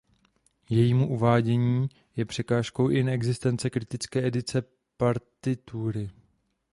Jejímu uvádění je překážkou i neexistence kritické edice partitury.